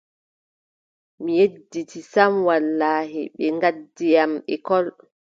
Mi yedditi sam wallaahi, ɓe ngaddi am lekkol.